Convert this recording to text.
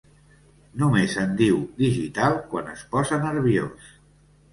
Només en diu digital quan es posa nerviós.